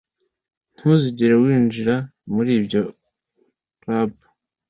Ntuzigera winjira muri iyo club